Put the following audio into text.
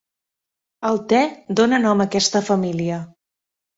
El te dóna nom a aquesta família.